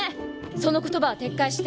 その言葉は撤回して。